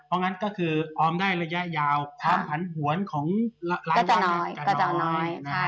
เพราะงั้นก็คือออมได้ระยะยาวความผันผวนของรัฐก็จะน้อย